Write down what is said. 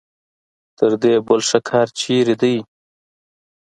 تر دې بل ښه کار چېرته دی.